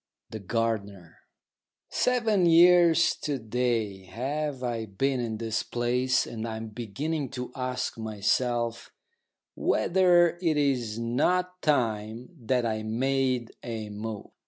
THE GARDENER Seven years to day have I been in this place, and I am beginning to ask myself whether it is not time that I made a move.